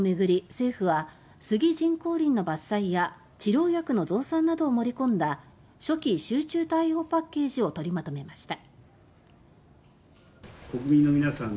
政府は、杉人工林の伐採や治療薬の増産などを盛り込んだ「初期集中対応パッケージ」を取りまとめました。